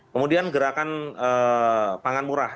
kemudian gerakan pangan murah